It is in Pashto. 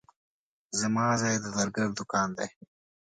زما ځای د زرګر دوکان دی.